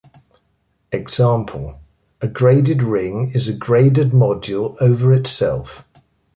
Example: a graded ring is a graded module over itself.